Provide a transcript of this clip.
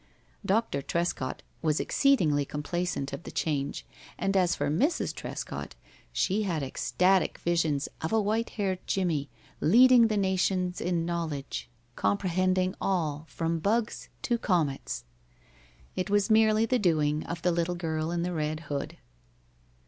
Dr. Trescott was exceedingly complacent of the change, and as for Mrs. Trescott, she had ecstatic visions of a white haired Jimmie leading the nations in knowledge, comprehending all from bugs to comets. It was merely the doing of the little girl in the red hood.